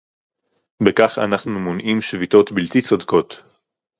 בכך אנחנו מונעים שביתות בלתי צודקות